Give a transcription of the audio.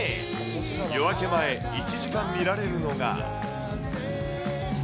夜明け前、１時間見られるのが。